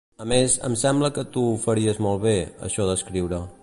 A més, em sembla que tu ho faries molt bé, això d'escriure.